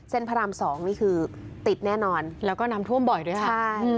พระราม๒นี่คือติดแน่นอนแล้วก็น้ำท่วมบ่อยด้วยค่ะใช่